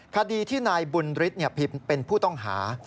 คดีที่นายบุญฤทธิ์เป็นผู้ต้องหา